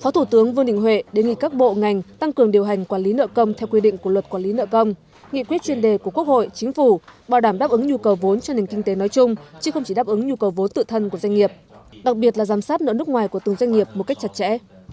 phó thủ tướng vương đình huệ đề nghị các bộ ngành tăng cường điều hành quản lý nợ công theo quy định của luật quản lý nợ công nghị quyết chuyên đề của quốc hội chính phủ bảo đảm đáp ứng nhu cầu vốn cho nền kinh tế nói chung chứ không chỉ đáp ứng nhu cầu vốn tự thân của doanh nghiệp đặc biệt là giám sát nợ nước ngoài của từng doanh nghiệp một cách chặt chẽ